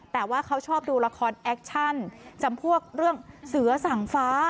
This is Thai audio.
แต่ว่าเขาชอบดูละครแอคชั่นจำพวกเรื่องเสือสั่งฟ้า